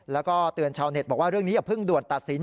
แล้วก็เตือนชาวเน็ตบอกว่าเรื่องนี้อย่าเพิ่งด่วนตัดสิน